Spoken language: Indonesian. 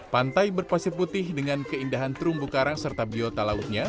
pantai berpasir putih dengan keindahan terumbu karang serta biota lautnya